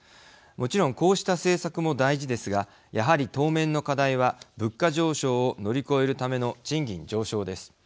もちろんこうした政策も大事ですがやはり、当面の課題は物価上昇を乗り越えるための賃金上昇です。